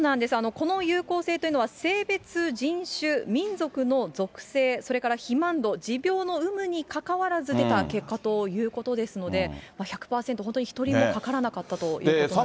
この有効性というのは、性別、人種、民族の属性、それから肥満度、持病の有無にかかわらず出た結果ということですので、１００％、本当に一人もかからなかったということなんですね。